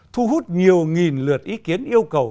thu hút nhiều nghìn lượt ý kiến yêu cầu